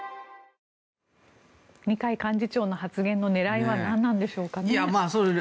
二階幹事長の発言の狙いは何なんでしょうかね。